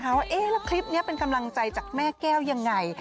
ว่าเอ๊ะแล้วคลิปนี้เป็นกำลังใจจากแม่แก้วยังไง